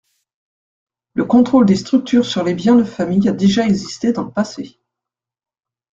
Le contrôle des structures sur les biens de famille a déjà existé dans le passé.